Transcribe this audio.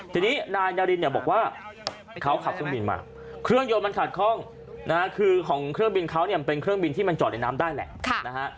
ทีนี้นายนารินเนี่ยบอกว่าเขาขับเครื่องบินมาเครื่องยนต์มันขัดข้องนะฮะคือของเครื่องบินเขาเนี่ยมันเป็นเครื่องบินที่มันจอดในน้ำได้แหละนะฮะ